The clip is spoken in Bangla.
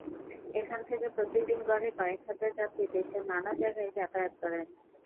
এখান থেকে প্রতিদিন গড়ে কয়েক হাজার যাত্রী দেশের নানা জায়গায় যাতায়াত করেন।